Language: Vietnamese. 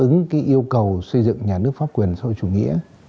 những vấn đề lý luận đáp ứng yêu cầu xây dựng nhà nước pháp quyền sau chủ nghĩa